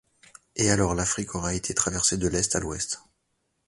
Et alors l’Afrique aura été traversée de l’est à l’ouest.